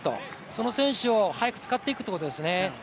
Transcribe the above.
その選手を早く使っていくということですね。